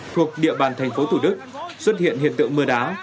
thuộc địa bàn thành phố thủ đức xuất hiện hiện tượng mưa đá